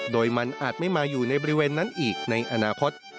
โดยมันอาจไม่มาอยู่ในบริเวณนั้นอีกในอนาคต